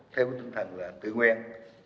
theo tinh thần là tự nguyên